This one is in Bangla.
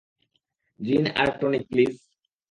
জিন আর টনিক, প্লিজ।